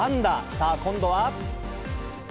さあ、今度は？